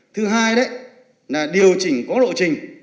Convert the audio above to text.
thứ hai điều chỉnh có lộ trình